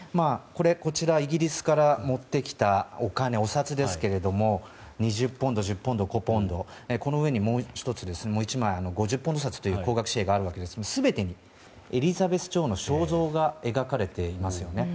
こちらはイギリスから持ってきたお金、お札ですが２０ポンド、１０ポンド５ポンドこの上にもう１枚５０ポンド札という高額紙幣があるんですが全てにエリザベス女王の肖像が描かれていますよね。